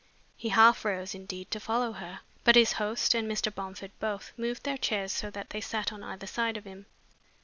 He half rose, indeed, to follow her, but his host and Mr. Bomford both moved their chairs so that they sat on either side of him.